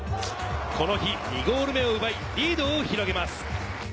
この日２ゴール目を奪い、リードを広げます。